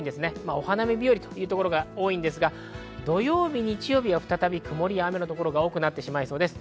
お花見日和というところが多いですが、土曜日、日曜日は再び曇りや雨の所が多くなってしまいそうです。